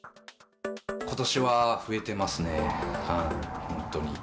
ことしは増えてますね、本当に。